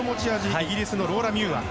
イギリスのローラ・ミューア。